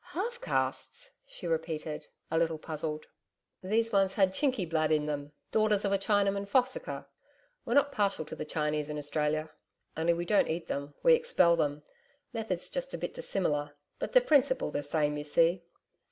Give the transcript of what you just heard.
'Half castes!' She repeated, a little puzzled. 'These ones had Chinky blood in them daughters of a Chinaman fossicker.... We're not partial to the Chinese in Australia only we don't eat them, we expel them methods just a bit dissimilar, but the principle the same, you see....